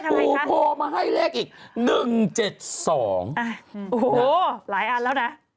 ปู่โผล์มาให้เรียกอีก๑๗๒โหหลายอันแล้วนะ